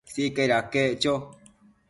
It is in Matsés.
Sicaid aquec cho